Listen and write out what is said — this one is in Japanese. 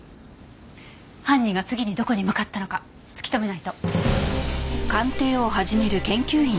犯人が次にどこに向かったのか突き止めないと。